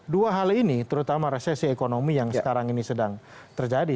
dua hal ini terutama resesi ekonomi yang sekarang ini sedang terjadi